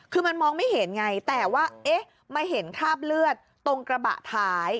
คือมันมองไม่เห็นไงแต่ว่าเอ๊ะมาเห็นคราบเลือดตรงกระบะท้าย